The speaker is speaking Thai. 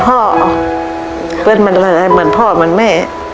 เพื่อนมันอะไรเหมือนพ่อเหมือนแม่